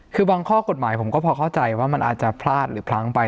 คือบางข้อกฎหมายผมก็พอเข้าใจว่ามันอาจจะพลาดหรือพลั้งไป